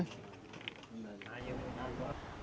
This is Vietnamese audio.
cục hàng không việt nam